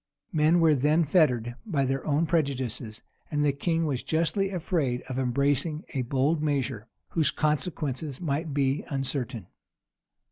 Men were then fettered by their own prejudices; and the king was justly afraid of embracing a bold measure, whose consequences might be uncertain.